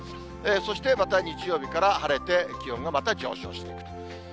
そしてまた日曜日から晴れて、気温がまた上昇していくと。